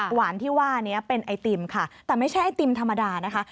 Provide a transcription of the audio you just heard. หวานที่ว่านี้เป็นไอติมค่ะแต่ไม่ใช่ไอติมธรรมดานะคะ